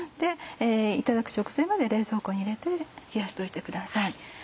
いただく直前まで冷蔵庫に入れて冷やしておいてください。